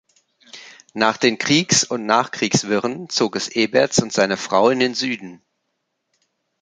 Nach den Kriegs- und Nachkriegswirren zog es Eberz und seine Frau in den Süden.